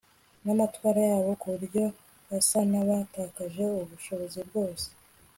namatwara yabo ku buryo basa nabatakaje ubushobozi bwose